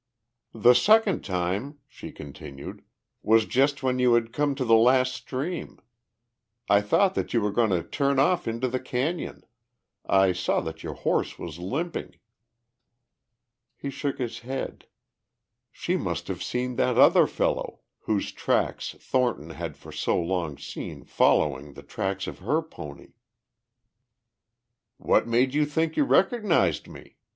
"The second time," she continued, "was just when you had come to the last stream. I thought that you were going to turn off into the cañon. I saw that your horse was limping." He shook his head. She must have seen that other fellow whose tracks Thornton had for so long seen following the tracks of her pony. "What made you think you recognized me?"